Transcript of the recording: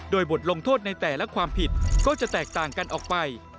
โดยบทลงโทษในแต่ละความผิดก็จะแตกต่างกันออกไป